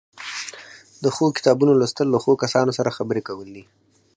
د ښو کتابونو لوستل له ښو کسانو سره خبرې کول دي.